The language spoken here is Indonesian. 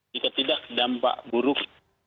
jika tidak dampak buruk